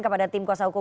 kepada tim kuasa hukum